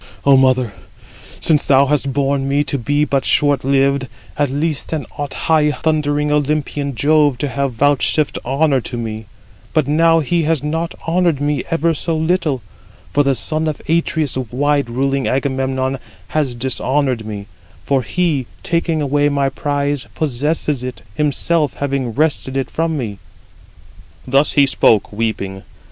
"O mother, since thou hast borne me, to be but short lived, at least then ought high thundering Olympian Jove to have vouchsafed honour to me; but now he has not honoured me ever so little; for the son of Atreus, wide ruling Agamemnon, has dishonoured me; for he, taking away my prize, possesses it, himself having wrested it [from me]." Thus he spoke, weeping.